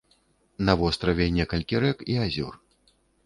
На востраве некалькі рэк і азёр.